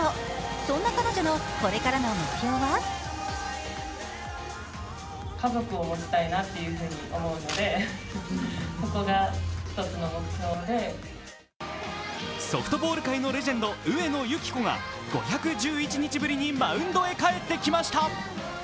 そんな彼女のこれからの目標はソフトボール界のレジェンド上野由岐子が５１１日ぶりにマウンドへ帰ってきました。